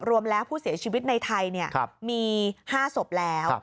รวมแล้วผู้เสียชีวิตในไทยมี๕ศพแล้ว